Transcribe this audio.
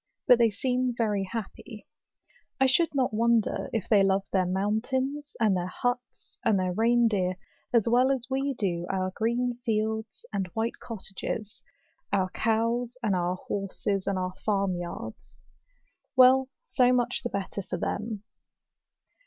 But they seem very happy. I should not wonder if they love their mountains, and their huts, and their rein deer, as well as we do our green fields, and white cottages, our cows, and our horses, and our farm yards. Well, so much the better for them.